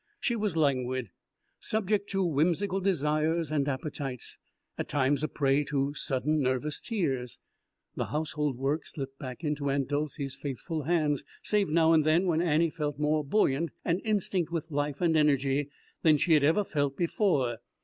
She was languid, subject to whimsical desires and appetites, at times a prey to sudden nervous tears. The household work slipped back into Aunt Dolcey's faithful hands, save now and then when Annie felt more buoyant and instinct with life and energy than she had ever felt before.